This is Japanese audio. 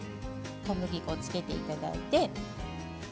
小麦粉をつけていただいて。